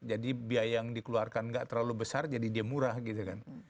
jadi biaya yang dikeluarkan nggak terlalu besar jadi dia murah gitu kan